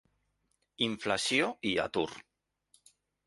Inflació i atur.